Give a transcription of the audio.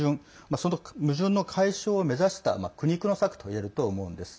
その矛盾の解消を目指した苦肉の策と言えると思うんです。